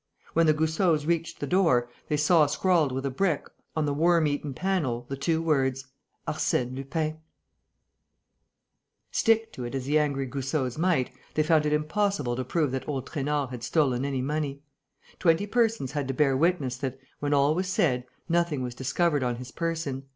When the Goussots reached the door, they saw scrawled with a brick, on the worm eaten panel, the two words: "ARSÈNE LUPIN." Stick to it as the angry Goussots might, they found it impossible to prove that old Trainard had stolen any money. Twenty persons had to bear witness that, when all was said, nothing was discovered on his person.